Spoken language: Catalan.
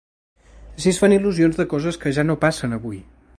Així es fan il·lusions de coses que ja no passen avui.